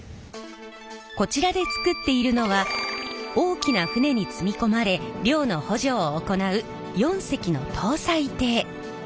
こちらで作っているのは大きな船に積み込まれ漁の補助を行う４隻の搭載艇。